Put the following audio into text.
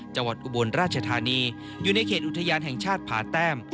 อุบลราชธานีอยู่ในเขตอุทยานแห่งชาติผาแต้ม